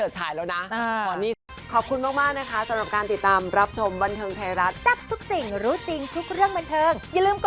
อย่างนั้นอย่าสดดีกว่าถ้ามาพรหมหนี่สินและโรงไพร